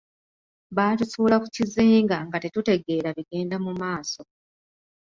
Baatusuula ku kizinga nga tetutegeera bigenda mu maaso.